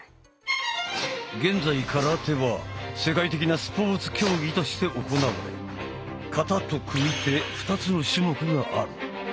現在空手は世界的なスポーツ競技として行われ形と組手２つの種目がある。